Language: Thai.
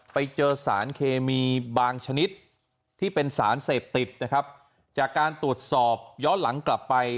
ไปเจอสารเคมีบางชนิดที่เป็นสารเสพติดนะครับจากการตรวจสอบย้อนหลังกลับไป